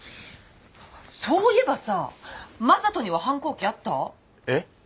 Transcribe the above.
そういえばさ正門には反抗期あった？え？